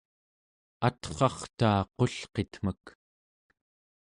atrartaa qulqitmek